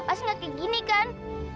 pasti gak kek gini kan